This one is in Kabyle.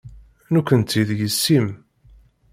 Nekkenti d yessi-m.